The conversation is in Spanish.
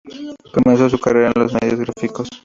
Comenzó su carrera en los medios gráficos.